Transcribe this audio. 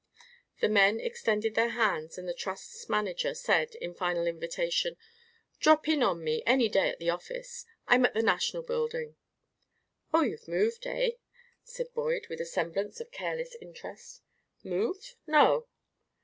The men extended their hands and the Trust's manager said, in final invitation, "Drop in on me any day at the office. I'm at the National Building." "Oh, you've moved, eh?" said Boyd, with a semblance of careless interest. "Moved? No!"